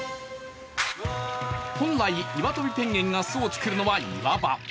本来、イワトビペンギンが巣を作るのは岩場。